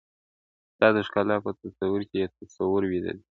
ستا د ښکلا په تصور کي یې تصویر ویده دی.